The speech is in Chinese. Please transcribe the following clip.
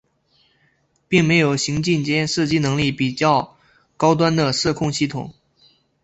并没有行进间射击能力和较高端的射控系统。